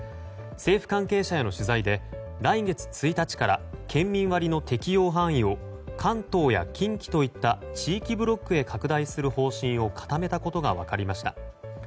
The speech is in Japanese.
政府関係者への取材で来月１日から県民割の適用範囲を関東や近畿といった地域ブロックへ拡大する方針を固めたことが分かりました。